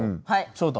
はい！